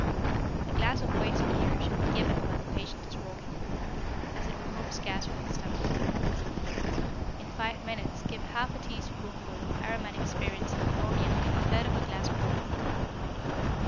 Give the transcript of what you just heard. A glass of Weiss beer should be given while the patient is walking, as it removes gas from the stomach. In five minutes give half a teaspoonful of aromatic spirits of ammonia in a third of a glass of water.